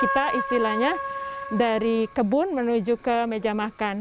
kita istilahnya dari kebun menuju ke meja makan